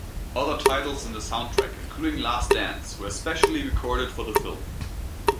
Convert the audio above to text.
Other titles on the soundtrack, including "Last Dance", were especially recorded for the film.